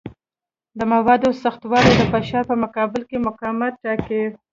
د موادو سختوالی د فشار په مقابل کې مقاومت ټاکي.